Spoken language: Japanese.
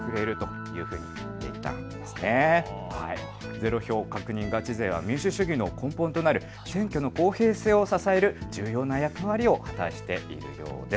ゼロ票確認ガチ勢は民主主義の根本となる選挙の公平性を支える重要な役割を果たしているようです。